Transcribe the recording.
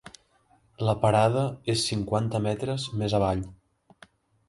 La parada és cinquanta metres més avall.